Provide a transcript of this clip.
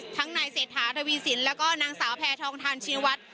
ทั้งนายเศรษฐาทวีสินแล้วก็นางสาวแพทองทานชีวัฒน์